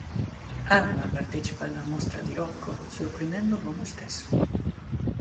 Alma partecipa alla mostra di Rocco, sorprendendo l'uomo stesso.